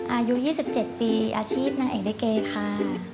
อายุ๒๗ปีอาชีพนางเอกลิเกค่ะ